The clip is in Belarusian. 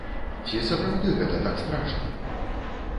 Ці сапраўды гэта так страшна?